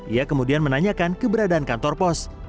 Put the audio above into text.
ia kemudian menanyakan keberadaan kantor pos